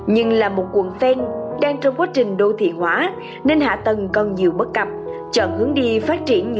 nhưng là một quận ven đang trong quá trình đô thị hóa nên hạ tầng còn nhiều